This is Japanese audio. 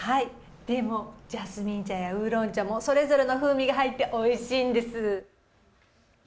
でもジャスミン茶やウーロン茶もそれぞれの風味が入っておいしいんです。